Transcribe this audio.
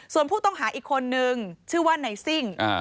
ส่วนผู้ต้องหาอีกคนนึงชื่อว่านายซิ่ง